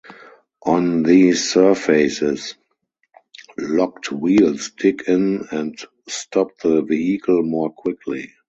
On these surfaces, locked wheels dig in and stop the vehicle more quickly.